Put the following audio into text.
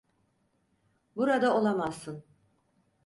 Burada olamazsın.